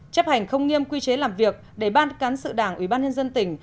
chấp hành không nghiêm quy chế làm việc để ban cán sự đảng ubnd tỉnh